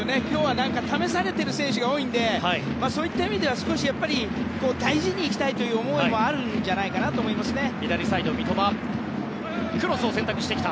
今日は試されている選手が多いのでそういった意味では、少し大事にいきたいという思いもあるんじゃないかなと思いますね。